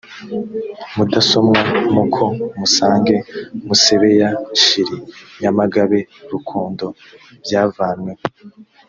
mudasomwa muko musange musebeya nshili nyamagabe rukondo byavanweho